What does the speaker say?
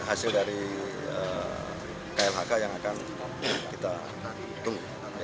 hasil dari klhk yang akan kita tunggu